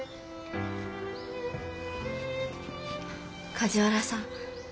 梶原さん